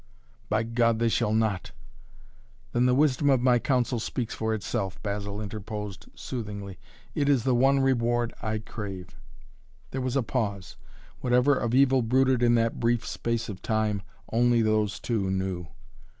"By God, they shall not!" "Then the wisdom of my counsel speaks for itself," Basil interposed soothingly. "It is the one reward I crave." There was a pause. Whatever of evil brooded in that brief space of time only these two knew.